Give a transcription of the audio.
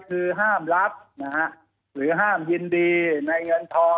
คือห้ามรับนะฮะหรือห้ามยินดีในเงินทอง